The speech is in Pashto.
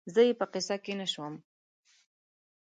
زه یې په قصه کې نه شوم